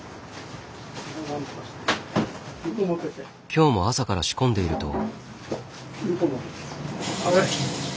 今日も朝から仕込んでいると。